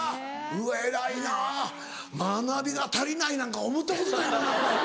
偉いな「学びが足りない」なんか思ったことないもんな俺。